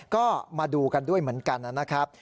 ก็มาดูกันด้วยเหมือนกันนะครับ